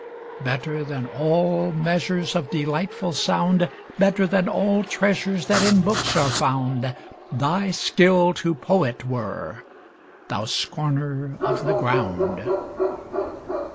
Better than all measures Of delightful sound, Better than all treasures That in books are found, Thy skill to poet were, thou scorner of the ground!